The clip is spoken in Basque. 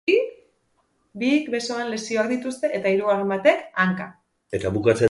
Bik besoan lesioak dituzte eta hirugarren batek hankan.